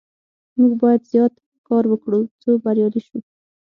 موږ باید زیات کار وکړو څو بریالي شو.